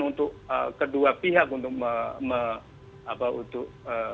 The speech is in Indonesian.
untuk kedua pihak untuk mengapa untuk